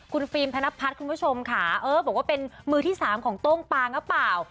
คุณฟิล์มธนพัฒน์คุณผู้ชมค่ะเออบอกว่าเป็นมือที่สามของโต้งปางหรือเปล่า